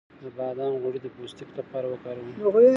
د بادام غوړي د پوستکي لپاره وکاروئ